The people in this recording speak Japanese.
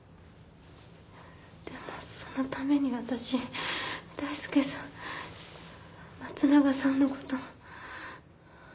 でもそのために私大輔さん松永さんの事。